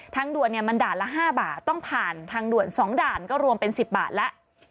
ทางด่วนมันด่านละ๕บาทต้องผ่านทางด่วน๒ด่านก็รวมเป็น๑๐บาทแล้ว